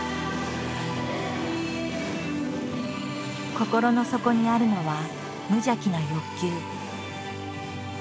心の底にあるのは無邪気な欲求。